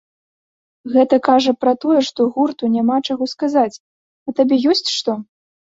Гэта кажа пра тое, што гурту няма чаго сказаць, а табе ёсць што?